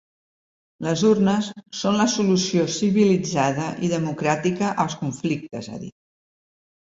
Les urnes són la solució civilitzada i democràtica als conflictes, ha dit.